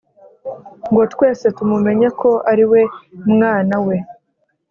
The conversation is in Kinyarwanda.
Ngo twese tumumenye ko ariwe mwana we